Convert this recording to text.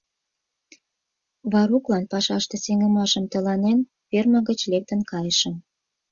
Варуклан пашаште сеҥымашым тыланен, ферме гыч лектын кайышым.